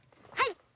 はい！